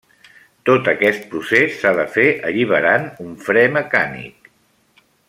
Tot aquest procés s'ha de fer alliberant un fre mecànic.